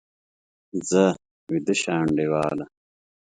ځه، ویده شه انډیواله!